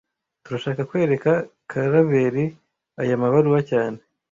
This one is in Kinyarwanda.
Turashaka kwereka Karaveri aya mabaruwa cyane